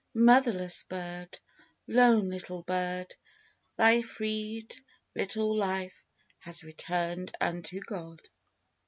Motherless bird, Lone little bird, Thy freed little life has returned unto God.